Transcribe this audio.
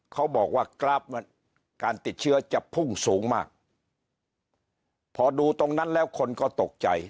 เขาบอกว่ากราฟการติดเชื้อจะพุ่งสูงมากพอดูตรงนั้นแล้วคนก็ตกใจ